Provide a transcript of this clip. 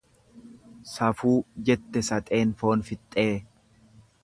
Safuu jette saxeen foon fixxee.